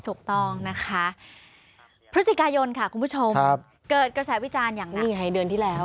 ถูกต้องนะคะพฤศจิกายนค่ะคุณผู้ชมเกิดกระแสวิจารณ์อย่างนี้ไงเดือนที่แล้ว